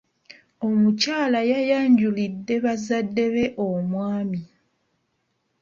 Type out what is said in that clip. Omukyala yayanjulidde bazadde be omwami.